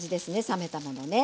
冷めたものね。